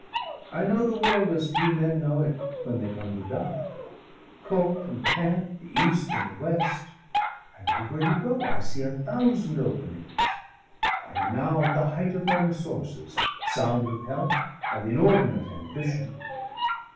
I know the world as few men know it when they come to die Court and camp, the East and the West; I know where to go, I see a thousand openings. I am now at the height of my resources, sound of health, of inordinate ambition.